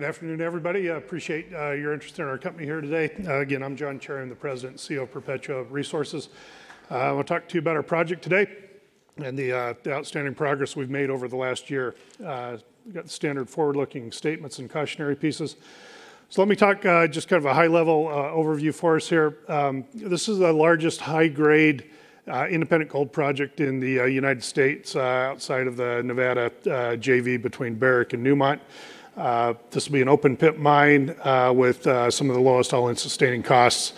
Good afternoon, everybody. I appreciate your interest in our company here today. Again, I'm Jon Cherry. I'm the President and CEO of Perpetua Resources. I want to talk to you about our project today and the outstanding progress we've made over the last year. We've got the standard forward-lookin statements and cautionary pieces. Let me talk just kind of a high-level overview for us here. This is the largest high-grade independent gold project in the United States outside of the Nevada JV between Barrick and Newmont. This will be an open pit mine with some of the lowest all-in sustaining costs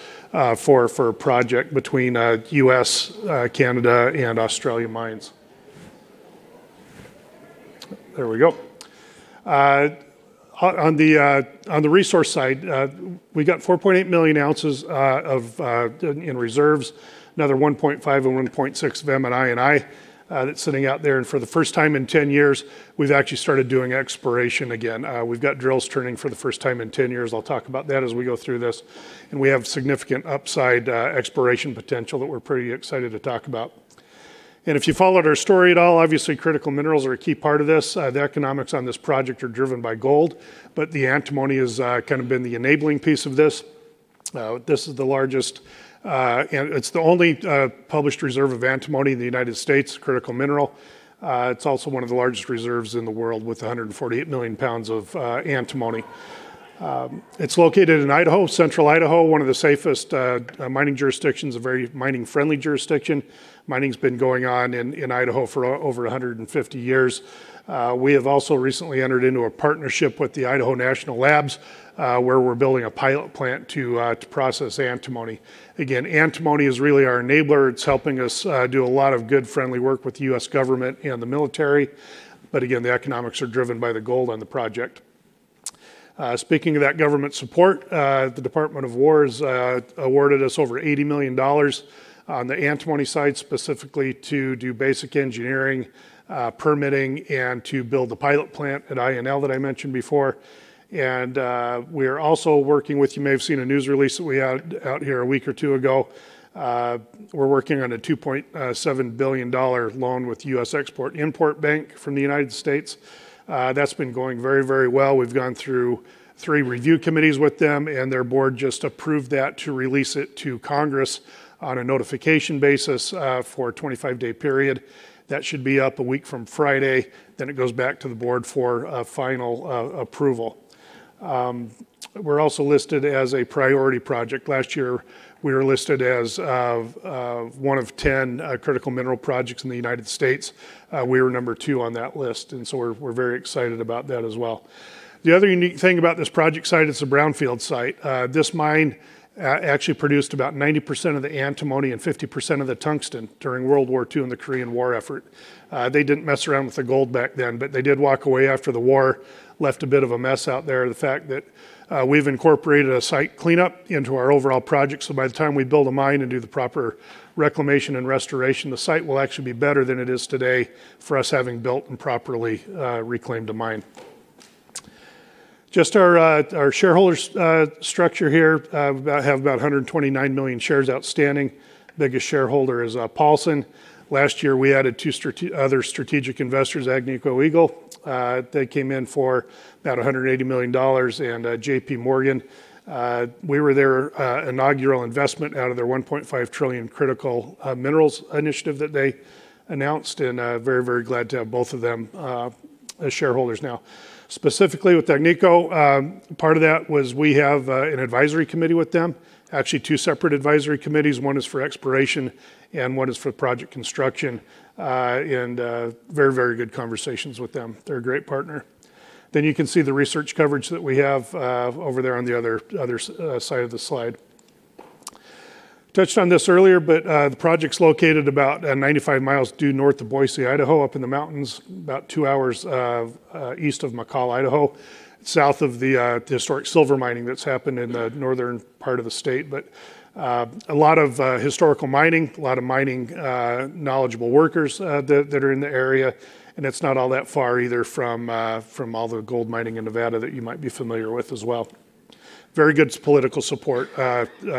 for a project between U.S., Canada, and Australia mines. There we go. On the resource side, we got 4.8 million ounces in reserves. Another 1.5 and 1.6 of M&I and I that's sitting out there. For the first time in 10 years, we've actually started doing exploration again. We've got drills turning for the first time in 10 years. I'll talk about that as we go through this. We have significant upside exploration potential that we're pretty excited to talk about. If you followed our story at all, obviously critical minerals are a key part of this. The economics on this project are driven by gold, but the antimony has kind of been the enabling piece of this. This is the largest, and it's the only published reserve of antimony in the United States, critical mineral. It's also one of the largest reserves in the world with 148 million pounds of antimony. It's located in Idaho, central Idaho, one of the safest mining jurisdictions, a very mining-friendly jurisdiction. Mining's been going on in Idaho for over 150 years. We have also recently entered into a partnership with the Idaho National Labs, where we're building a pilot plant to process antimony. Again, antimony is really our enabler. It's helping us do a lot of good friendly work with the US government and the military. But again, the economics are driven by the gold on the project. Speaking of that government support, the Department of War has awarded us over $80 million on the antimony side specifically to do basic engineering, permitting, and to build the pilot plant at INL that I mentioned before. And we are also working with, you may have seen a news release that we had out here a week or two ago, we're working on a $2.7 billion loan with US Export-Import Bank from the United States. That's been going very well. We've gone through three review committees with them, and their board just approved that to release it to Congress on a notification basis for a 25-day period. That should be up a week from Friday, then it goes back to the board for final approval. We're also listed as a priority project. Last year, we were listed as one of 10 critical mineral projects in the United States. We were number two on that list, and so we're very excited about that as well. The other unique thing about this project site, it's a brownfield site. This mine actually produced about 90% of the antimony and 50% of the tungsten during World War II and the Korean War effort. They didn't mess around with the gold back then, but they did walk away after the war, left a bit of a mess out there. The fact that we've incorporated a site cleanup into our overall project, so by the time we build a mine and do the proper reclamation and restoration, the site will actually be better than it is today for us having built and properly reclaimed a mine. Just our shareholder structure here. We have about 129 million shares outstanding. Biggest shareholder is Paulson. Last year, we added two other strategic investors, Agnico Eagle, that came in for about $180 million, and JP Morgan. We were their inaugural investment out of their $1.5 trillion critical minerals initiative that they announced. Very glad to have both of them as shareholders now. Specifically with Agnico, part of that was we have an advisory committee with them. Actually, two separate advisory committees. One is for exploration and one is for project construction. Very good conversations with them. They're a great partner. You can see the research coverage that we have over there on the other side of the slide. Touched on this earlier, but the project's located about 95 mi due north of Boise, Idaho, up in the mountains, about two hours east of McCall, Idaho, south of the historic silver mining that's happened in the northern part of the state. A lot of historical mining, a lot of mining knowledgeable workers that are in the area. It's not all that far either from all the gold mining in Nevada that you might be familiar with as well. Very good political support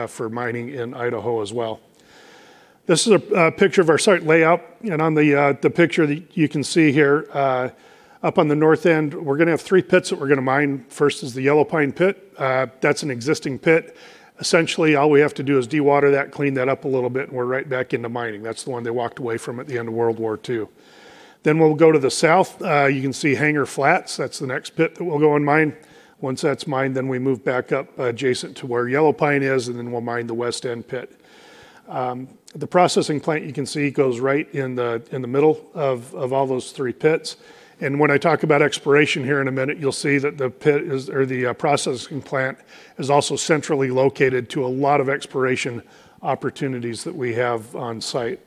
for mining in Idaho as well. This is a picture of our site layout. On the picture that you can see here up on the north end, we're going to have three pits that we're going to mine. First is the Yellow Pine pit. That's an existing pit. Essentially, all we have to do is dewater that, clean that up a little bit, and we're right back into mining. That's the one they walked away from at the end of World War II. We'll go to the south. You can see Hangar Flats. That's the next pit that we'll go and mine. Once that's mined, then we move back up adjacent to where Yellow Pine is, and then we'll mine the West End Pit. The processing plant you can see goes right in the middle of all those three pits. When I talk about exploration here in a minute, you'll see that the processing plant is also centrally located to a lot of exploration opportunities that we have on site.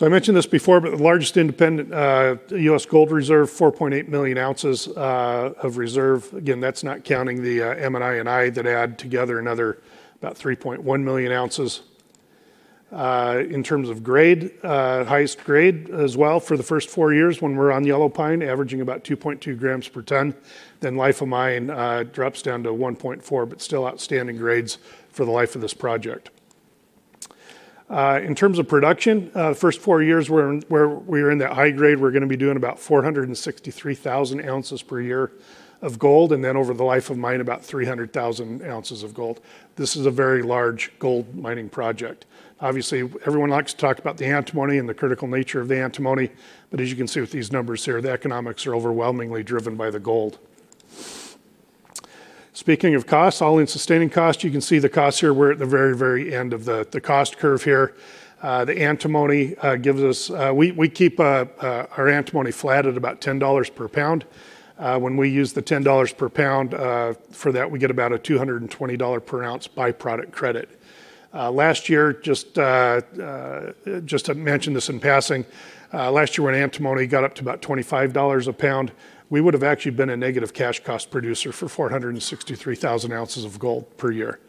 I mentioned this before, but the largest independent U.S. gold reserve, 4.8 million ounces of reserve. Again, that's not counting the M&I and I that add together another about 3.1 million ounces. In terms of grade, highest grade as well for the first four years when we're on Yellow Pine, averaging about 2.2 grams per ton. Life of mine drops down to 1.4, but still outstanding grades for the life of this project. In terms of production, the first four years where we are in the high grade, we're going to be doing about 463,000 ounces per year of gold, and then over the life of mine, about 300,000 ounces of gold. This is a very large gold mining project. Obviously, everyone likes to talk about the antimony and the critical nature of the antimony, but as you can see with these numbers here, the economics are overwhelmingly driven by the gold. Speaking of costs, all-in sustaining costs, you can see the costs here, we're at the very end of the cost curve here. We keep our antimony flat at about $10 per pound. When we use the $10 per pound for that, we get about a $220 per ounce byproduct credit. Just to mention this in passing, last year when antimony got up to about $25 a pound, we would have actually been a negative cash cost producer for 463,000 ounces of gold per year.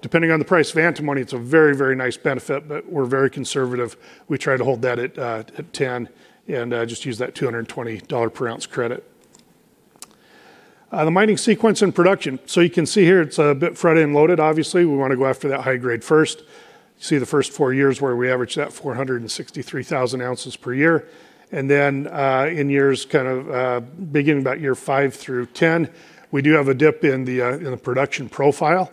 Depending on the price of antimony, it's a very nice benefit, but we're very conservative. We try to hold that at $10 and just use that $220 per ounce credit. The mining sequence and production. You can see here it's a bit front-end loaded. Obviously, we want to go after that high grade first. See the first four years where we average that 463,000 ounces per year. Beginning about year five through 10, we do have a dip in the production profile.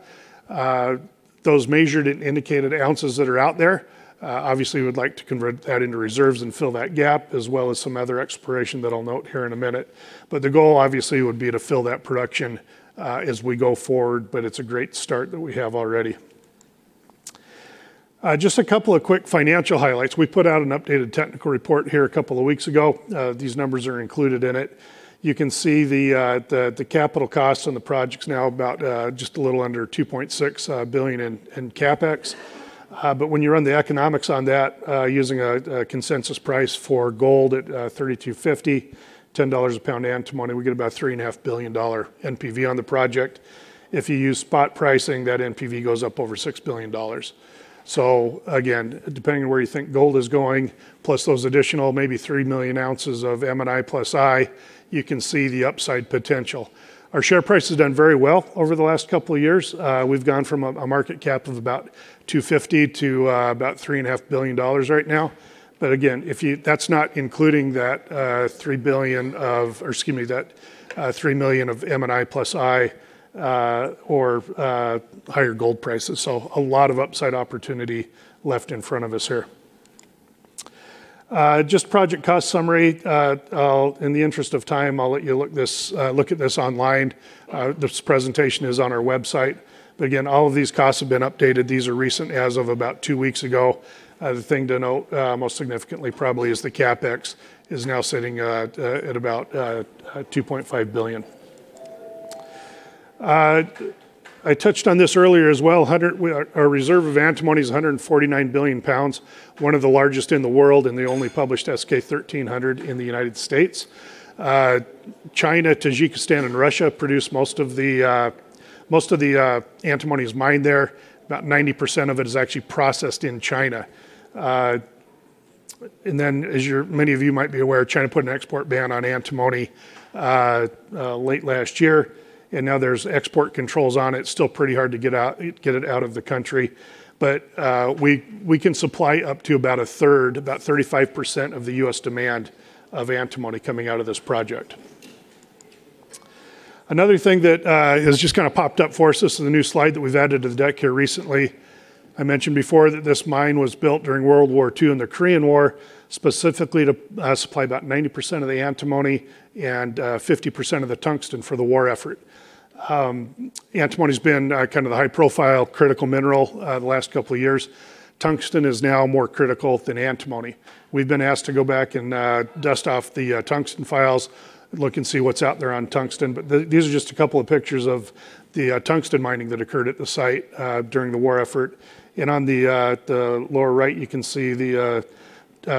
Those measured and indicated ounces that are out there, obviously we would like to convert that into reserves and fill that gap as well as some other exploration that I'll note here in a minute. The goal obviously would be to fill that production as we go forward, but it's a great start that we have already. Just a couple of quick financial highlights. We put out an updated technical report here a couple of weeks ago. These numbers are included in it. You can see the capital costs on the project's now about just a little under $2.6 billion in CapEx. When you run the economics on that using a consensus price for gold at $3,250, $10 a pound antimony, we get about three and a half billion-dollar NPV on the project. If you use spot pricing, that NPV goes up over $6 billion. Again, depending on where you think gold is going, plus those additional maybe 3 million ounces of M&I plus I, you can see the upside potential. Our share price has done very well over the last couple of years. We've gone from a market cap of about $250 to about three and a half billion dollars right now. Again, that's not including that 3 million of M&I plus I or higher gold prices. A lot of upside opportunity left in front of us here. Just project cost summary. In the interest of time, I'll let you look at this online. This presentation is on our website. Again, all of these costs have been updated. These are recent as of about two weeks ago. The thing to note, most significantly probably is the CapEx is now sitting at about $2.5 billion. I touched on this earlier as well. Our reserve of antimony is 149 billion pounds, one of the largest in the world and the only published S-K 1300 in the United States. China, Tajikistan, and Russia produce most of the antimony is mined there. About 90% of it is actually processed in China. As many of you might be aware, China put an export ban on antimony late last year, and now there's export controls on it. Still pretty hard to get it out of the country. We can supply up to about 1/3, about 35% of the U.S. demand of antimony coming out of this project. Another thing that has just kind of popped up for us. This is a new slide that we've added to the deck here recently. I mentioned before that this mine was built during World War II and the Korean War, specifically to supply about 90% of the antimony and 50% of the tungsten for the war effort. Antimony's been kind of the high-profile critical mineral the last couple of years. Tungsten is now more critical than antimony. We've been asked to go back and dust off the tungsten files, look and see what's out there on tungsten. These are just a couple of pictures of the tungsten mining that occurred at the site during the war effort. On the lower right, you can see the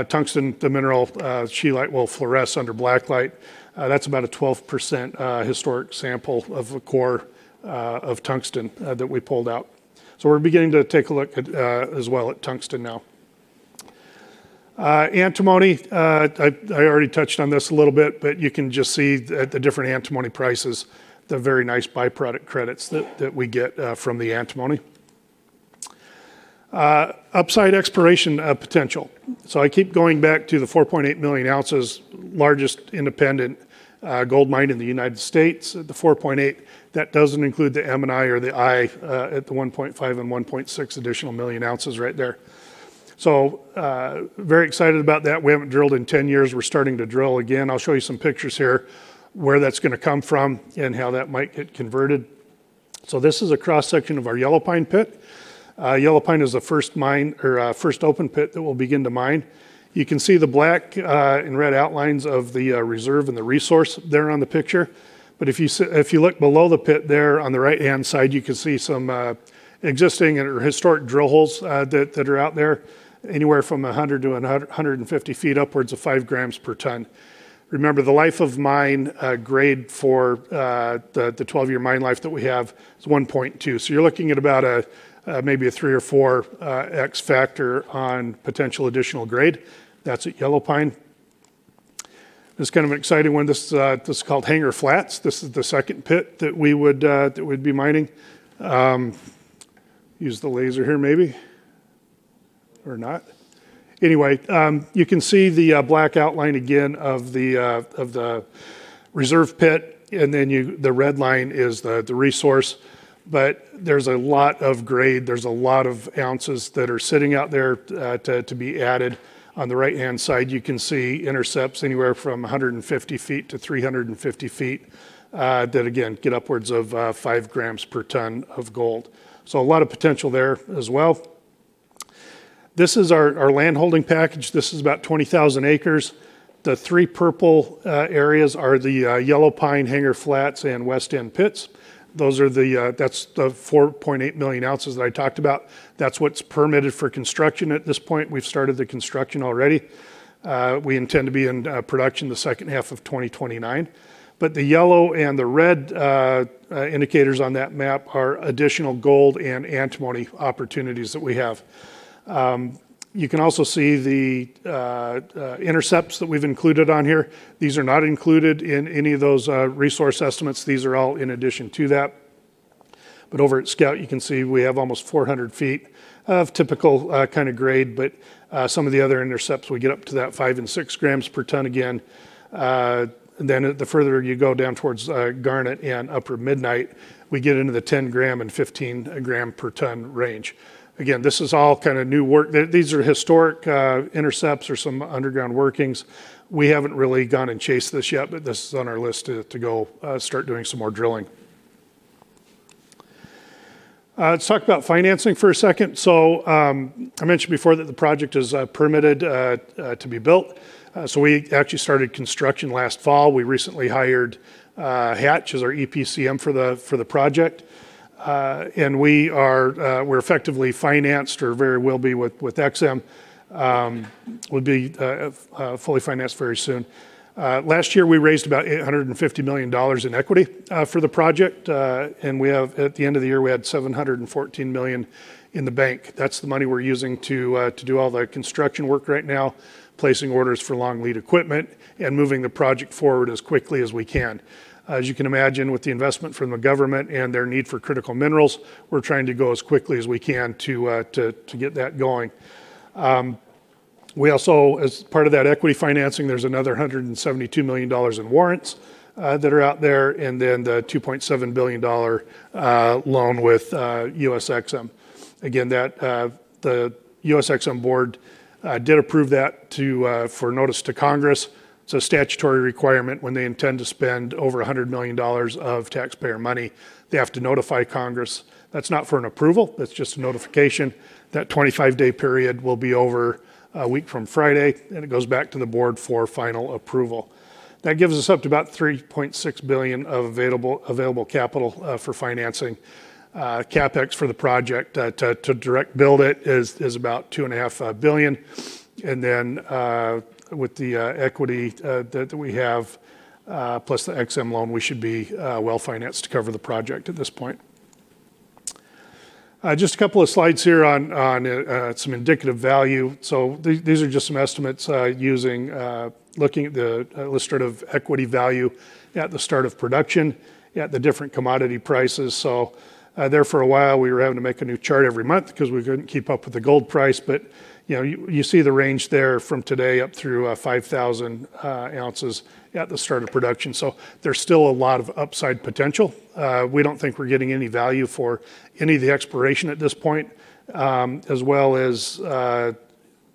tungsten, the mineral scheelite will fluoresce under blacklight. That's about a 12% historic sample of a core of tungsten that we pulled out. We're beginning to take a look as well at tungsten now. Antimony. I already touched on this a little bit, but you can just see the different antimony prices, the very nice byproduct credits that we get from the antimony. Upside exploration potential. I keep going back to the 4.8 million ounces largest independent gold mine in the United States. The 4.8, that doesn't include the M&I or the I at the 1.5 and 1.6 additional million ounces right there. Very excited about that. We haven't drilled in 10 years. We're starting to drill again. I'll show you some pictures here, where that's going to come from and how that might get converted. This is a cross-section of our Yellow Pine pit. Yellow Pine is the first open pit that we'll begin to mine. You can see the black and red outlines of the reserve and the resource there on the picture. If you look below the pit there on the right-hand side, you can see some existing or historic drill holes that are out there, anywhere from 100 ft-150 ft upwards of five grams per ton. Remember, the life of mine grade for the 12-year mine life that we have is 1.2. You're looking at about maybe a 3x or 4x factor on potential additional grade. That's at Yellow Pine. This is kind of an exciting one. This is called Hangar Flats. This is the second pit that we would be mining. Use the laser here maybe, or not. Anyway, you can see the black outline again of the reserve pit, and then the red line is the resource. There's a lot of grade, there's a lot of ounces that are sitting out there to be added. On the right-hand side, you can see intercepts anywhere from 150 ft-350 ft, that again, get upwards of five grams per ton of gold. A lot of potential there as well. This is our land holding package. This is about 20,000 acres. The three purple areas are the Yellow Pine, Hangar Flats, and West End pits. Those are the 4.8 million ounces that I talked about. That's what's permitted for construction at this point. We've started the construction already. We intend to be in production the second half of 2029. The yellow and the red indicators on that map are additional gold and antimony opportunities that we have. You can also see the intercepts that we've included on here. These are not included in any of those resource estimates. These are all in addition to that. Over at Scout, you can see we have almost 400 ft of typical kind of grade. Some of the other intercepts, we get up to that five and six grams per ton again. The further you go down towards Garnet and Upper Midnight, we get into the 10 gram and 15 gram per ton range. Again, this is all kind of new work. These are historic intercepts or some underground workings. We haven't really gone and chased this yet, but this is on our list to go start doing some more drilling. Let's talk about financing for a second. I mentioned before that the project is permitted to be built. We actually started construction last fall. We recently hired Hatch as our EPCM for the project. We're effectively financed or very will be with EXIM. We'll be fully financed very soon. Last year, we raised about $850 million in equity for the project. At the end of the year, we had $714 million in the bank. That's the money we're using to do all the construction work right now, placing orders for long lead equipment and moving the project forward as quickly as we can. As you can imagine with the investment from the government and their need for critical minerals, we're trying to go as quickly as we can to get that going. We also, as part of that equity financing, there's another $172 million in warrants that are out there, and then the $2.7 billion loan with U.S. EXIM. Again, the U.S. EXIM Board did approve that for notice to Congress. It's a statutory requirement when they intend to spend over $100 million of taxpayer money, they have to notify Congress. That's not for an approval, that's just a notification. That 25-day period will be over a week from Friday, and it goes back to the board for final approval. That gives us up to about $3.6 billion of available capital for financing. CapEx for the project to direct build it is about $2.5 billion. With the equity that we have, plus the EXIM loan, we should be well-financed to cover the project at this point. Just a couple of slides here on some indicative value. These are just some estimates looking at the illustrative equity value at the start of production at the different commodity prices. There for a while, we were having to make a new chart every month because we couldn't keep up with the gold price. You see the range there from today up through 5,000 ounces at the start of production. There's still a lot of upside potential. We don't think we're getting any value for any of the exploration at this point. As well as,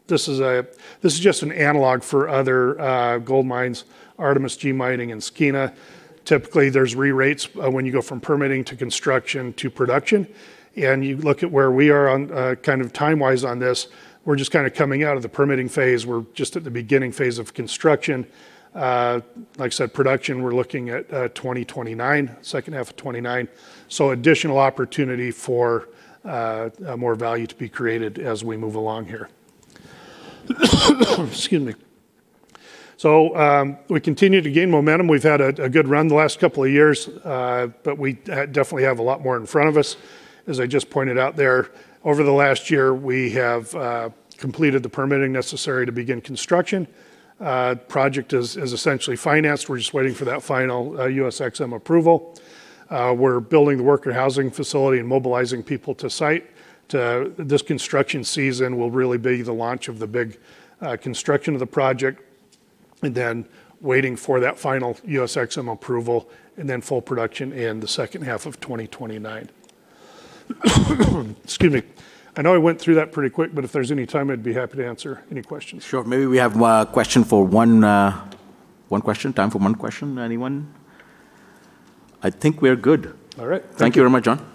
this is just an analog for other gold mines, Artemis, G Mining, and Skeena. Typically, there's re-rates when you go from permitting to construction to production, and you look at where we are on kind of time-wise on this, we're just kind of coming out of the permitting phase. We're just at the beginning phase of construction. Like I said, production, we're looking at 2029, second half of 2029, so additional opportunity for more value to be created as we move along here. Excuse me. We continue to gain momentum. We've had a good run the last couple of years, but we definitely have a lot more in front of us. As I just pointed out there, over the last year, we have completed the permitting necessary to begin construction. Project is essentially financed. We're just waiting for that final U.S. EXIM approval. We're building the worker housing facility and mobilizing people to site. This construction season will really be the launch of the big construction of the project, and then waiting for that final U.S. EXIM approval and then full production in the second half of 2029. Excuse me. I know I went through that pretty quick, but if there's any time, I'd be happy to answer any questions. Sure. Maybe we have time for one question. Anyone? I think we're good. All right. Thank you. Thank you very much, Jon.